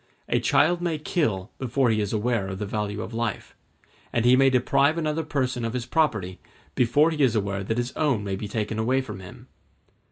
A child may kill before he is aware of the value of life; and he may deprive another person of his property before he is aware that his own may be taken away from him.